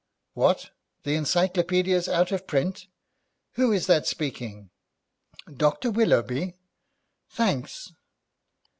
What, the encyclopaedia's out of print? Who is that speaking? Dr. Willoughby; thanks.'